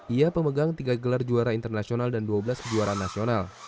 ia pemegang tiga gelar juara internasional dan dua belas kejuaraan nasional